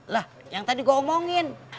lah yang tadi gue omongin